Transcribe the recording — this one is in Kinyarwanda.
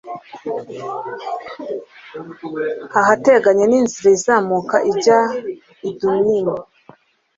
ahateganye n'inzira izamuka ijya i adumimu